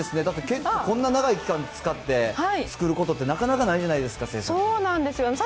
だって結構、こんな長い期間使って、作ることって、なかなかないそうなんですよ。